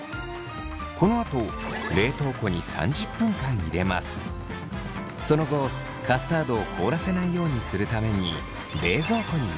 このあとその後カスタードを凍らせないようにするために冷蔵庫に移し３０分冷やせば完成です。